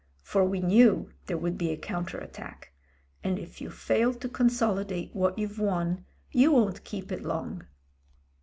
For we knew there would be a counter attack, and if you fail to consolidate what you've won you won't keep it long.